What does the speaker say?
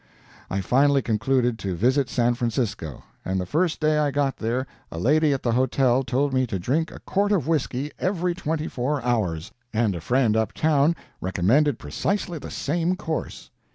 I finally concluded to visit San Francisco, and the first day I got there a lady at the hotel told me to drink a quart of whisky every twenty four hours, and a friend up town recommended precisely the same course.